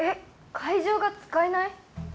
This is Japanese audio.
会場が使えない？